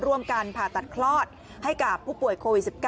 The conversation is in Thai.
ร่วมกันผ่าตัดคลอดให้กับผู้ป่วยโควิด๑๙